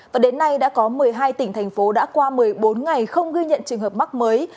và đến nay đã có một mươi hai tỉnh thành phố đã qua một mươi bốn ngày không ghi nhận trường hợp mắc mới